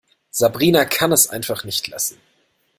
Sabrina kann es einfach nicht lassen.